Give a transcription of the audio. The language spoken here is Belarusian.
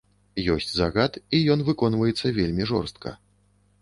Ёсць загад і ён выконваецца вельмі жорстка.